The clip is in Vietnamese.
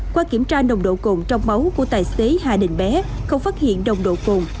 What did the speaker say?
qua kiểm tra nồng độ cồn trong máu của tài xế hà đình bé không phát hiện nồng độ cồn